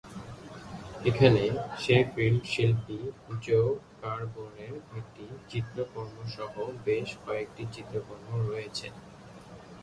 এখানে শেফিল্ড শিল্পী জো স্কারবোরোর একটি চিত্রকর্মসহ বেশ কয়েকটি চিত্রকর্ম রয়েছে।